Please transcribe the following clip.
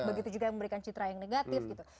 begitu juga yang memberikan citra yang negatif gitu